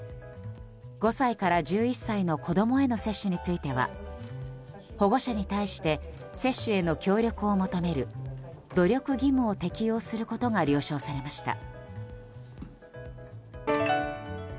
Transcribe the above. ５歳から１１歳の子供への接種については保護者に対して接種への協力を求める努力義務を適用することが了承されました。